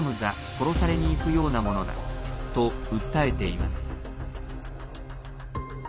殺されにいくようなものだと訴えています。